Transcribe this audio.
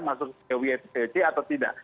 masuk ke wcc atau tidak